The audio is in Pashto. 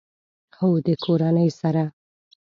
هو، د کورنۍ سره